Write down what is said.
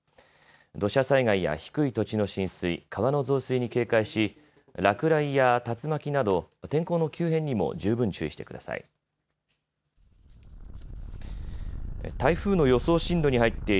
土砂災害や低い土地の浸水、川の増水に警戒し、落雷や竜巻など天候の急変にも十分注意してください。